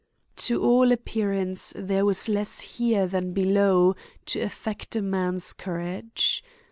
To all appearance there was less here than below to affect a man's courage.